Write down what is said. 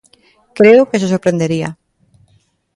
Creo que se sorprendería.